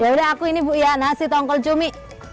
ya udah aku ini bu ya nasi tongkol cumi